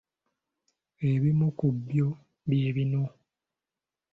Ebimu ku byo bye bino: